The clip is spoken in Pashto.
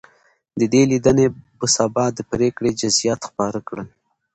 د دې لیدنې په سبا د پرېکړې جزییات خپاره کړل.